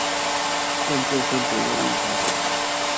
但就算不用印發票